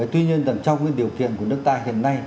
tuy nhiên là trong cái điều kiện của nước ta hiện nay